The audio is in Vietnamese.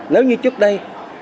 nếu như trước đây